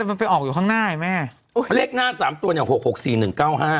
มันไปออกอยู่ข้างหน้าไอ้แม่เลขหน้าสามตัวเนี่ยหกหกสี่หนึ่งเก้าห้า